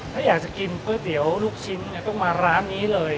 ถ้าอยากจะกินก๋วยเตี๋ยวลูกชิ้นต้องมาร้านนี้เลย